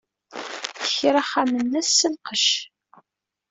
Tekra axxam-nnes s lqecc.